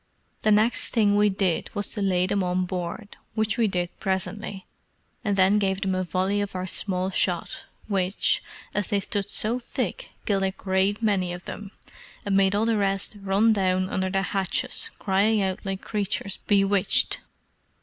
The next thing we did was to lay them on board, which we did presently, and then gave them a volley of our small shot, which, as they stood so thick, killed a great many of them, and made all the rest run down under their hatches, crying out like creatures bewitched.